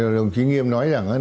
đồng chí nghiêm nói rằng